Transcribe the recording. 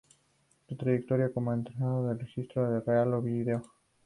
Su trayectoria como entrenador se restringió al Real Oviedo.